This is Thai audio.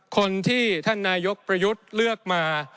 คนที่ท่านนายกรัฐมนตร์ประยุทธ์เลือกมา